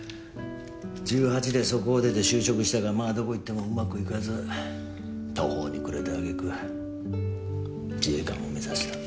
１８でそこを出て就職したがまあどこ行ってもうまくいかず途方に暮れた揚げ句自衛官を目指した。